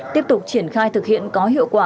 tiếp tục triển khai thực hiện có hiệu quả